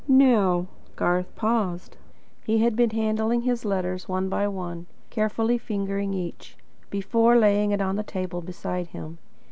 Now " Garth paused. He had been handling his letters, one by one; carefully fingering each, before laying it on the table beside him.